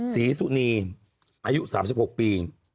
ศรีสุนีอายุ๓๖ปี